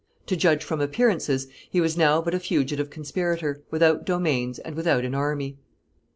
To judge from appearances, he was now but a fugitive conspirator, without domains and without an army.